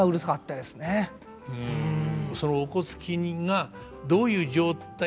そのおこつきがどういう状態